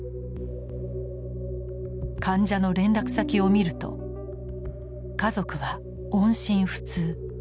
患者の連絡先を見ると「家族は音信不通」。